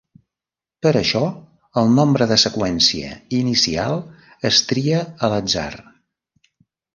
Per això, el nombre de seqüència inicial es tria a l'atzar.